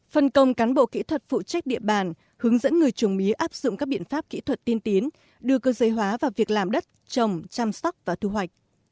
phân công cán bộ kỹ thuật phụ trách địa bàn hướng dẫn người trồng mía áp dụng các biện pháp kỹ thuật tiên tiến đưa cơ giới hóa vào việc làm đất trồng chăm sóc và thu hoạch